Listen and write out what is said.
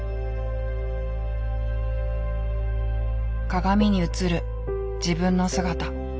鏡に映る自分の姿。